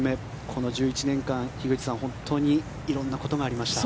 この１１年間、樋口さん本当に色んなことがありました。